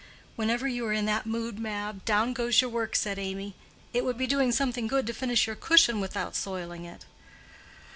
"Whenever you are in that mood, Mab, down goes your work," said Amy. "It would be doing something good to finish your cushion without soiling it."